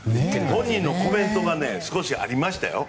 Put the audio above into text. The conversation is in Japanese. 本人のコメントが少しありましたよ。